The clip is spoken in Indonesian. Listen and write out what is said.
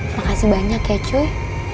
makasih banyak ya cuy